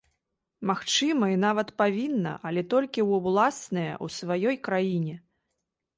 Магчыма і нават павінна, але толькі ў ўласныя, у сваёй краіне.